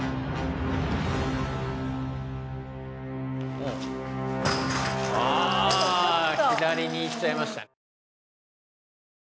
あ左に行っちゃいました。